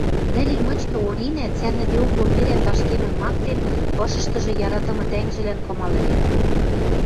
Нӹл и мычкы Оринӓ, цӓрнӹдеок ломберӓн ташкемӹм мактен, ышыштыжы яратымы тӓнгжӹлӓн кымал ӹлен.